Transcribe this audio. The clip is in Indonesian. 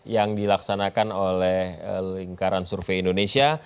yang dilaksanakan oleh lingkaran survei indonesia